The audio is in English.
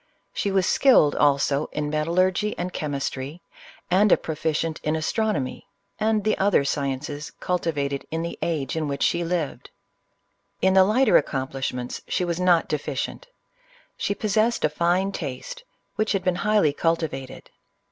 She was skilled, also, in metallurgy and chemistry ; and a proficient in astronomy, and the other sciences cultivated in the age in which she lived. In the lighter accomplishments, she was not de ficient. She possessed a fine taste, which had been highly cultivated.